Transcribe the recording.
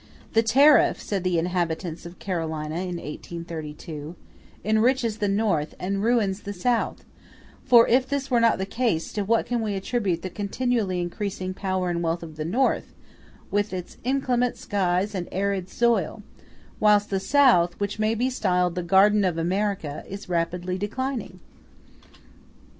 "The tariff," said the inhabitants of Carolina in 1832, "enriches the North, and ruins the South; for if this were not the case, to what can we attribute the continually increasing power and wealth of the North, with its inclement skies and arid soil; whilst the South, which may be styled the garden of America, is rapidly declining?"